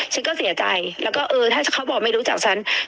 ฉันก็เสียใจแล้วก็เออถ้าเขาบอกไม่รู้จักฉัน